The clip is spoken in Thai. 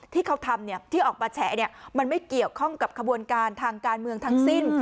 ที่เขาทำเนี่ยที่ออกประแฉเนี่ยมันไม่เกี่ยวข้องกับกระบวนการทางการเมืองทั้งสิ้น